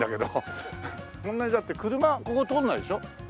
そんなにだって車ここ通らないでしょ。